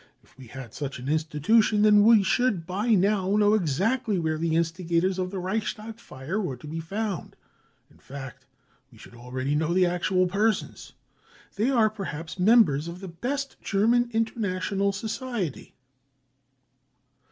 ... tc If we had such an institution, then we should by now know exactly where the instigators of the Reichstag fire were to be found, in fact, we should already know the actual persons. They are perhaps members of the best German international society